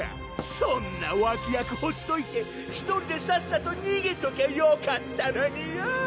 そんな脇役ほっといて１人でさっさとにげときゃよかったのによ！